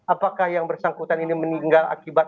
apakah yang bersangkutan ini meninggal akibat